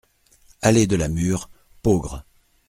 Allée de la Mûre, Peaugres